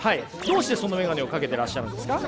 どうしてそのメガネをかけてらっしゃるんですか？